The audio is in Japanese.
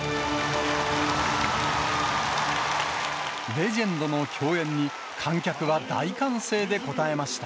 レジェンドの共演に、観客は大歓声で応えました。